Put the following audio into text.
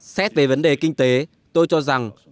xét về vấn đề kinh tế tôi cho rằng